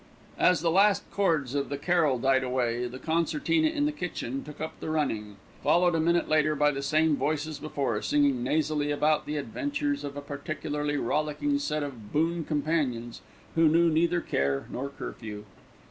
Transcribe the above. As the last chords of the carol died away, the concertina in the kitchen took up the running, followed a minute later by the same voice as before, singing nasally about the adventures of a particularly rollicking set of boon companions who knew neither care nor curfew.